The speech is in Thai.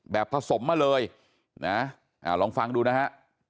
ผสมมาเลยนะลองฟังดูนะฮะ